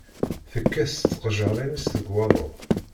Tekkat s tqejjirin-is deg waḍu.